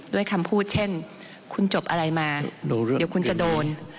ด้วยคำพูดเช่นคุณจบอะไรมาเดี๋ยวคุณจะโดน